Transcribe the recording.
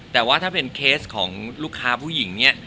แต่ว่าถ้าเป็นเคสของลูกค้าผู้หญิงเนี่ย